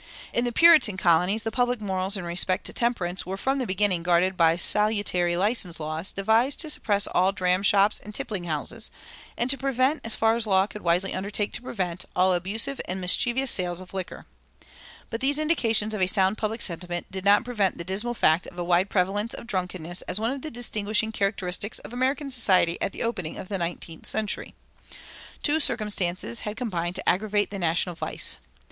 In the Puritan colonies the public morals in respect to temperance were from the beginning guarded by salutary license laws devised to suppress all dram shops and tippling houses, and to prevent, as far as law could wisely undertake to prevent, all abusive and mischievous sales of liquor. But these indications of a sound public sentiment did not prevent the dismal fact of a wide prevalence of drunkenness as one of the distinguishing characteristics of American society at the opening of the nineteenth century. Two circumstances had combined to aggravate the national vice.